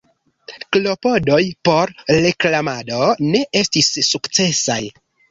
Klopodoj por reklamado ne estis sukcesaj.